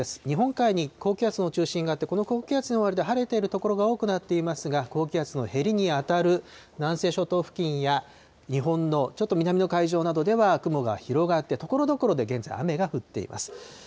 日本海に高気圧の中心があって、この高気圧の周りで晴れている所が多くなっていますが、高気圧のへりに当たる南西諸島付近や、日本のちょっと南の海上などでは雲が広がって、ところどころで現在、雨が降っています。